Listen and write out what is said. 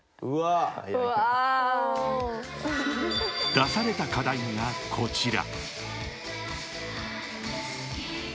［出された課題がこちら］